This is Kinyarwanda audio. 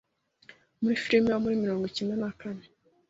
Muri iyi Filime yo mu mirongo icyenda na kane